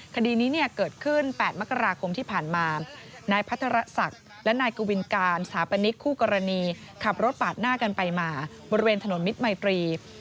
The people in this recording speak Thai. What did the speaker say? คดีนี้เนี่ยเกิดขึ้น๘มกราคมที่ผ่านมานายพัทรศักดิ์และนายกวินการสถาปนิกคู่กรณีขับรถปาดหน้ากันไปมาบริเวณถนนมิตรมัยตรี